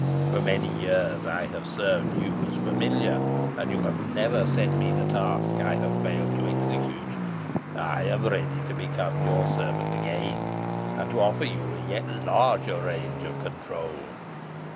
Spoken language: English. For many years I have served you as familiar; and you have never set me the task I have failed to execute. I am ready to become your servant again, and to offer you a yet larger range of control.